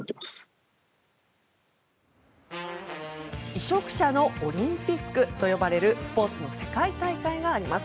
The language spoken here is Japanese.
移植者のオリンピックと呼ばれるスポーツの世界大会があります。